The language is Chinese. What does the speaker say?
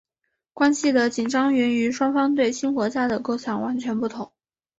关系的紧张源于双方对新国家的构想完全不同。